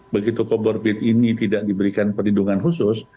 begitu comorbid ini tidak diberikan perlindungan khusus